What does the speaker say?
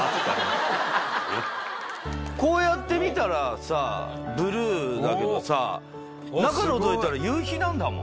こうやって見たらさブルーだけどさ中のぞいたら夕日なんだもん。